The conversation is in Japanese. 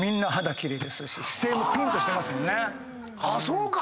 そうか！